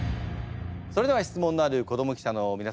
それでは質問のある子ども記者のみなさま